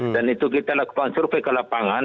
dan itu kita lakukan survei ke lapangan